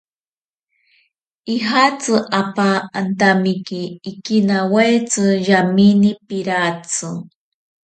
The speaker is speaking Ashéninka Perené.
Ijatsi apa antamiki ikinawaitsi yamine piratsi.